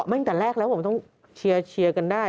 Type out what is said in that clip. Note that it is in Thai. ข้าม๑๒กรอกแต่แรกแล้วว่ามันต้องเชียร์กันได้